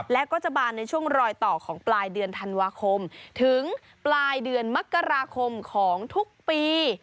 และก็จะบานในช่วงรอยต่อของปลายเดือนธันวาคมถึงปลายเดือนมกราคมของทุกปี